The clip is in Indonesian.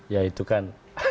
ya itu kan